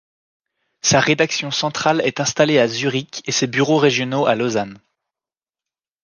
Sa rédaction centrale est installée à Zurich et ses bureaux régionaux à Lausanne.